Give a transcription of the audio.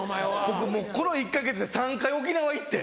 僕もうこの１か月で３回沖縄行って。